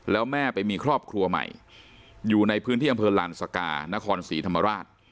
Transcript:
แล้วแม่ไปมีครอบครัวใหม่อยู่ในพื้นที่อำเภอลานสกานครศรีธรรมราช